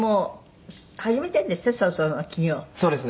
「そうですね。